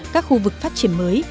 các khu vực phát triển mới